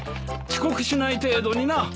遅刻しない程度にな。